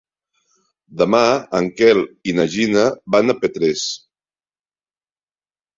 Demà en Quel i na Gina van a Petrés.